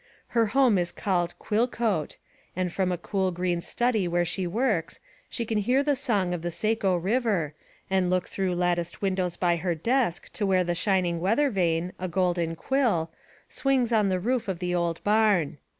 Her home is called Quillcote and from a cool green study where she works she can hear the song of the Saco River and look through latticed windows by her desk to where the shining weather vane, a golden quill, 124 THE WOMEN WHO MAKE OUR NOVELS swings on the roof of the old barn.